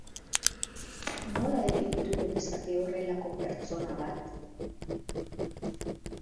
Nola definitu genezake horrelako pertsona bat?